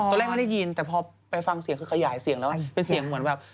ตอนแรกไม่ได้ยินแต่พอไปฟังเสียงคือขยายเสียงแล้ว